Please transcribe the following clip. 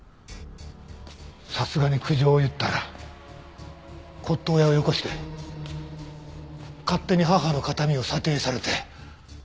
さすがに苦情を言ったら骨董屋をよこして勝手に母の形見を査定されて。